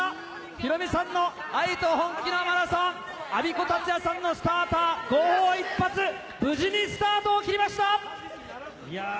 ヒロミさんの愛と本気のマラソン、アビコタツヤさんのスターター、号砲一発、無事にスタートを切りました。